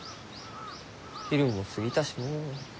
昼も過ぎたしのう。